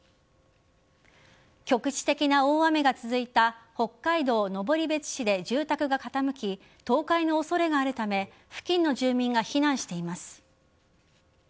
局地的な大雨が続いた北海道登別市で住宅が傾き倒壊の恐れがあるため付近の住民が避難しています。